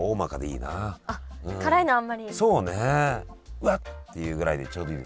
「うわっ！」って言うぐらいでちょうどいい。